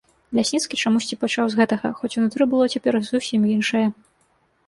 Лясніцкі чамусьці пачаў з гэтага, хоць унутры было цяпер зусім іншае.